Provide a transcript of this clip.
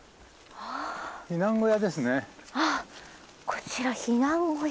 あっこちら避難小屋。